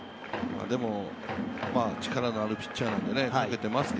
でも、力のあるピッチャーなので。